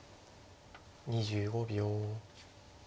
２５秒。